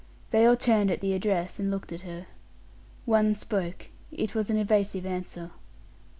They all turned at the address, and looked at her. One spoke; it was an evasive answer.